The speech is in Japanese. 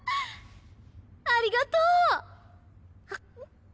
ありがとう！